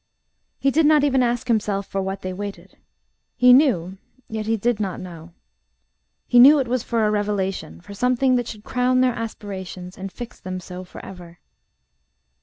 He did not even ask himself for what they waited. He knew, yet he did not know. He knew it was for a revelation for something that should crown their aspirations, and fix them so for ever.